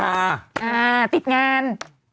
อ่าติดงาน